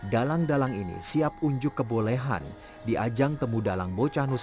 dalang dalang ini siap unjuk kebolehan di ajang temu dalang bocah nusantara